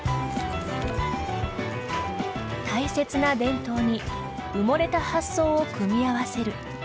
大切な伝統に埋もれた発想を組み合わせる。